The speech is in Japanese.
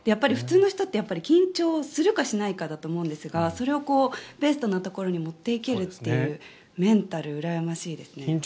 普通の人って緊張するかしないかだと思うんですがそれをベストなところに持っていけるというメンタルがうらやましいですね。